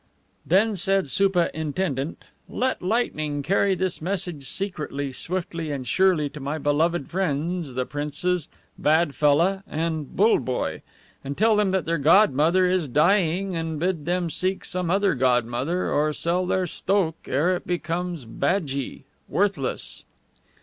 Then said SOOPAH INTENDENT, "Let Lightning carry this message secretly, swiftly, and surely to my beloved friends the Princes BADFELLAH and BULLEBOYE, and tell them that their godmother is dying, and bid them seek some other godmother or sell their STOKH ere it becomes badjee, worthless."